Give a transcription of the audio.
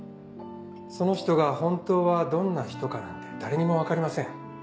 その人が本当はどんな人かなんて誰にも分かりません。